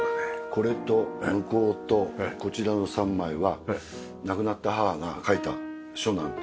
これと向こうとこちらの３枚は亡くなった母が書いた書なんです。